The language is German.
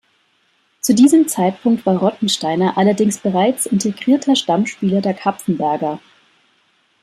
Zu diesem Zeitpunkt war Rottensteiner allerdings bereits integrierter Stammspieler der Kapfenberger.